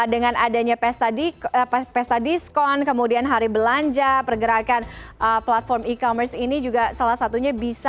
dengan adanya pes tadi pes tadi skon kemudian hari belanja pergerakan platform e commerce ini juga salah satunya bisa